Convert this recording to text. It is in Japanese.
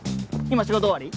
今仕事終わり？